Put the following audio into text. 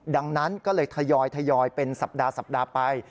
ดังนั้นก็เลยทยอยเป็นสัปดาห์ไป